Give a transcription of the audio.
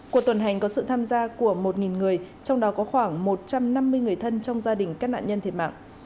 cuộc tuần hành có sự tham gia của một người trong đó có khoảng một trăm năm mươi người thân trong gia đình các nạn nhân thiệt mạng